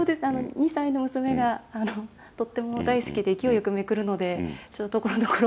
２歳の娘がとっても大好きで勢いよくめくるので、ところどころ。